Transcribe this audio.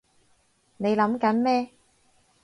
你諗緊咩？